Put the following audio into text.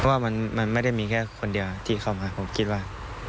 เพราะว่ามันไม่ได้มีแค่คนเดียวที่เข้ามาผมคิดว่า